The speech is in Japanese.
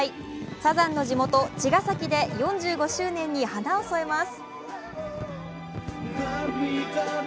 サザンの地元・茅ヶ崎で４５周年に花を添えます。